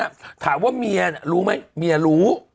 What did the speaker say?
ถ้าถามว่าเมียรู้มั้ยเมียรู้